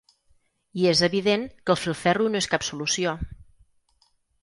I és evident que el filferro no és cap solució.